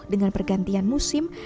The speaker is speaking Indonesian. dengan pergantian musim